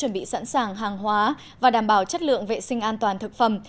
chuẩn bị sẵn sàng hàng hóa và đảm bảo chất lượng vệ sinh an toàn thực phẩm